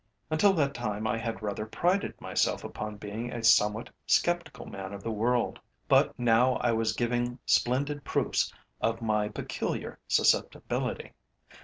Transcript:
Until that time I had rather prided myself upon being a somewhat sceptical man of the world, but, now I was giving splendid proofs of my peculiar susceptibility.